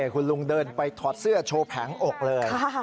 คุณลุงเดินไปถอดเสื้อโชว์แผงอกเลย